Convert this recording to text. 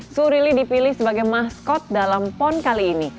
surili dipilih sebagai maskot dalam pon kali ini